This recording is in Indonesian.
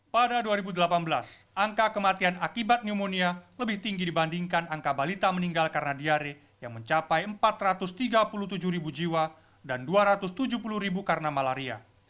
pada dua ribu delapan belas angka kematian akibat pneumonia lebih tinggi dibandingkan angka balita meninggal karena diare yang mencapai empat ratus tiga puluh tujuh ribu jiwa dan dua ratus tujuh puluh ribu karena malaria